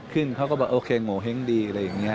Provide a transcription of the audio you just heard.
ขึ้นเขาก็บอกโอเคหงวแห่งดีอะไรอย่างนี้